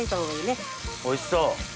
おいしそう。